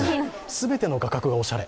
全ての画角がおしゃれ。